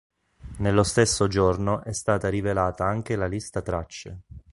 Nello stesso giorno è stata rivelata anche la lista tracce.